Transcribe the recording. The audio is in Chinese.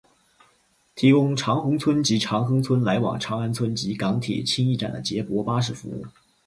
提供长宏邨及长亨邨来往长安邨及港铁青衣站的接驳巴士服务。